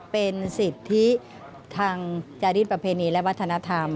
เป็นสิทธิทางจาริสประเพณีและวัฒนธรรม